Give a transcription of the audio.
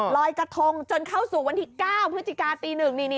ลอยกระทงจนเข้าสู่วันที่๙พฤศจิกาตี๑